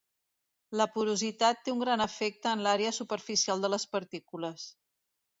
La porositat té un gran efecte en l'àrea superficial de les partícules.